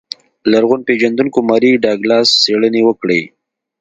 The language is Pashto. لرغون پېژندونکو ماري ډاګلاس څېړنې وکړې.